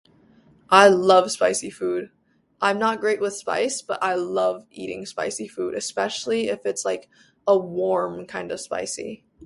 I love spicy food. I'm not great with spice but I love eating spicy food, especially if it's like, a warm kind of spicy